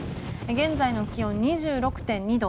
現在の気温２６．２度。